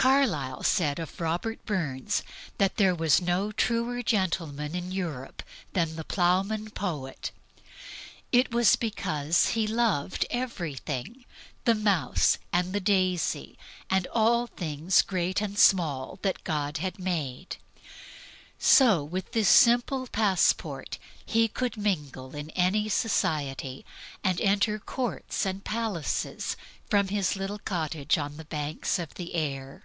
Carlisle said of Robert Burns that there was no truer gentleman in Europe than the ploughman poet. It was because he loved everything the mouse, and the daisy, and all the things, great and small, that God had made. So with this simple passport he could mingle with any society, and enter courts and palaces from his little cottage on the banks of the Ayr.